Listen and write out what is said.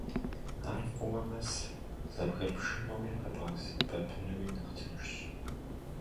Ар фӀыуэ мэс, зэбгрыпшынуи къэбгъэсэбэпынуи нэхъ тыншщ.